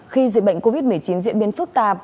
khi dịch bệnh covid một mươi chín diễn biến phức tạp